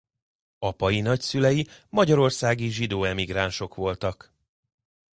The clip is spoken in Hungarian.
Apai nagyszülei magyarországi zsidó emigránsok voltak.